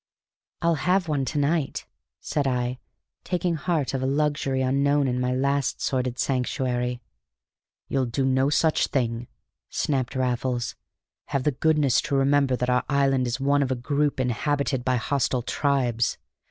"I'll have one to night," said I, taking heart of a luxury unknown in my last sordid sanctuary. "You'll do no such thing," snapped Raffles. "Have the goodness to remember that our island is one of a group inhabited by hostile tribes.